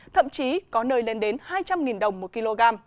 thậm chí có nơi lên đến hai trăm linh đồng một kg